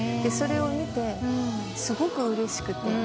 それを見てすごくうれしくて。